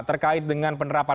terkait dengan penerapan